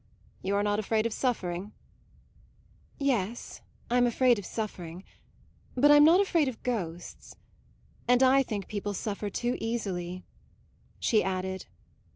"You're not afraid of suffering?" "Yes, I'm afraid of suffering. But I'm not afraid of ghosts. And I think people suffer too easily," she added.